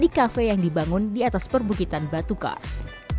di kafe yang dibangun di atas perbukitan batu kars